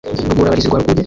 rugora bahizi rwa rukuge